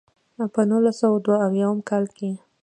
پۀ نولس سوه دوه اويا يم کال کښې